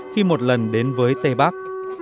khi một lần đến với tây bắc